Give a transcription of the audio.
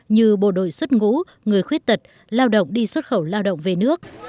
như bộ đội xuất ngũ người khuyết tật lao động đi xuất khẩu lao động về nước